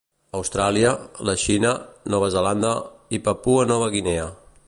Austràlia, la Xina, Nova Zelanda i Papua Nova Guinea.